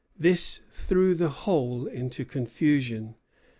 This threw the whole into confusion.